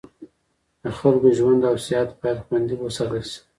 د خلکو ژوند او صحت باید خوندي وساتل شي.